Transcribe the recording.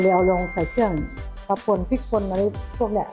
เดี๋ยวเอาลองใส่เครื่องปรับผลฟิกผลอะไรพวกเนี่ย